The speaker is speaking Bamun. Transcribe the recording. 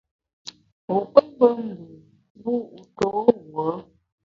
Wu pé mbe mbù, mbu wu to wuo ?